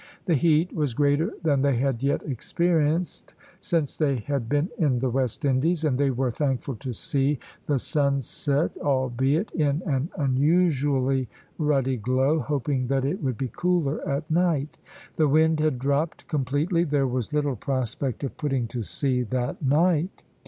The heat was greater than they had yet experienced since they had been in the West Indies, and they were thankful to see the sun set, albeit, in an unusually ruddy glow, hoping that it would be cooler at night. The wind had dropped completely. There was little prospect of putting to sea that night.